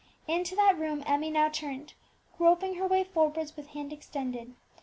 Into that room Emmie now turned, groping her way forwards with hands extended.